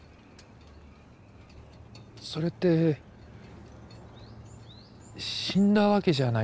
それって死んだわけじゃないですよね。